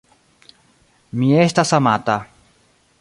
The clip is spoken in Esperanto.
Mi estas amata.